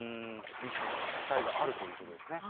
さみしい、実態があるということですね。